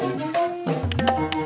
topik sampai selesai